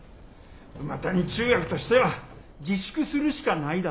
梅谷中学としては自粛するしかないだろ。